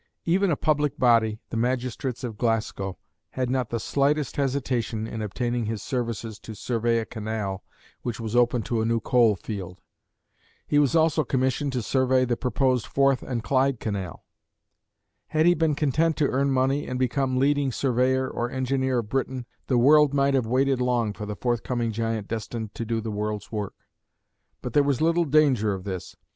Even a public body, the magistrates of Glasgow, had not the slightest hesitation in obtaining his services to survey a canal which was to open a new coal field. He was also commissioned to survey the proposed Forth and Clyde canal. Had he been content to earn money and become leading surveyor or engineer of Britain, the world might have waited long for the forthcoming giant destined to do the world's work; but there was little danger of this.